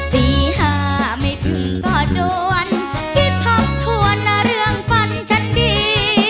ปีหาไม่ถึงกว่าโจวันที่ทบทวนเรื่องฝันฉันดี